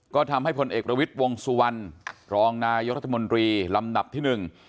ก็ทำให้พลเอกประวิทย์วงสุวรรณรองนายกรัฐมนตรีลำดับที่หนึ่ง